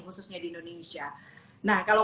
khususnya di indonesia nah kalau